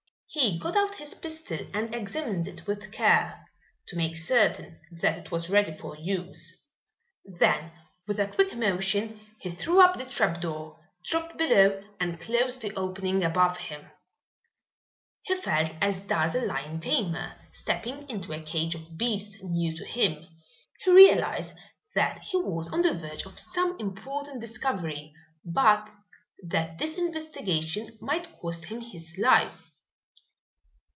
He got out his pistol and examined it with care, to make certain that it was ready for use. Then, with a quick motion, he threw up the trapdoor, dropped below, and closed the opening above him. He felt as does a lion tamer stepping into a cage of beasts new to him. He realized that he was on the verge of some important discovery, but that this investigation might cost him his life.